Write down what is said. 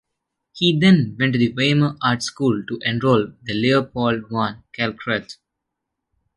He then went to the Weimar Art School to enroll with Leopold von Kalckreuth.